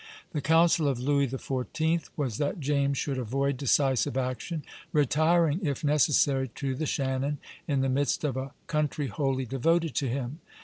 The counsel of Louis XIV. was that James should avoid decisive action, retiring if necessary to the Shannon, in the midst of a country wholly devoted to him.